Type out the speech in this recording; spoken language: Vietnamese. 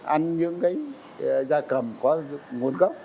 ăn những cái ra cầm có nguồn gốc